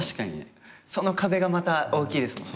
その壁がまた大きいですもんね。